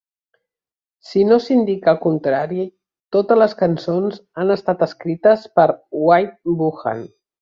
Si no s'indica el contrari, totes les cançons han estat escrites per Wattie Buchan.